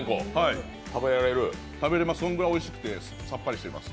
そんぐらいおいしくてさっぱりしています。